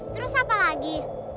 terus apa lagi